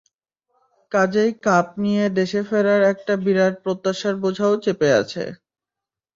কাজেই কাপ নিয়ে দেশে ফেরার একটা বিরাট প্রত্যাশার বোঝাও চেপে আছে।